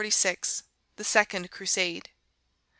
The second Crusade.